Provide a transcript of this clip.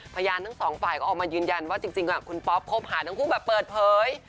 ทั้งสองฝ่ายก็ออกมายืนยันว่าจริงคุณป๊อปคบหาทั้งคู่แบบเปิดเผย